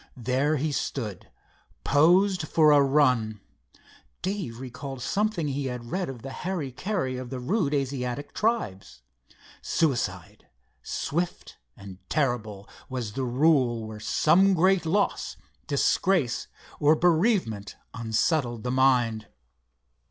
There he stood posed for a run. Dave recalled something he had read of the hari kari of the rude Asiatic tribes. Suicide, swift and terrible, was the rule where some great loss, disgrace, or bereavement unsettled the mind.